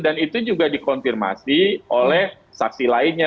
dan itu juga dikonfirmasi oleh saksi lainnya